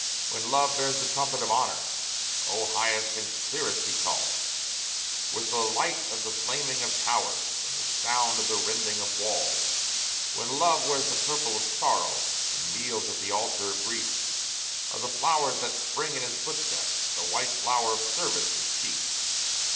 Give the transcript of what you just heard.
When Love bears the trumpet of Honor, oh, highest and clearest he calls, With the light of the flaming of towers, and the sound of the rending of walls. When Love wears the purple of Sorrow, and kneels at the altar of Grief, Of the flowers that spring in his footsteps, the white flower of Service is chief.